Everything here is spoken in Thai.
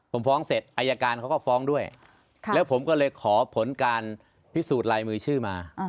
ผมฟ้องเสร็จอายการเขาก็ฟ้องด้วยแล้วผมก็เลยขอผลการพิสูจน์ลายมือชื่อมา